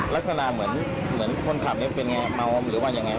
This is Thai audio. ลักษณะมันเหมือนเหมือนคนขับนี้เป็นไงม้องหรือว่ายังไง